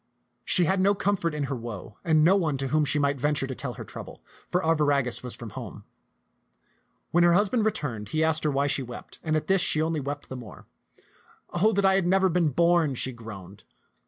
t^t<^x(xnU\n'0tixk 197 She had no comfort in her woe and no one to whom she might venture to tell her trouble, for Arviragus was from home. When her husband returned, he asked her why she wept ; and at this she only wept the more. Oh, that I had never been born !" she groaned.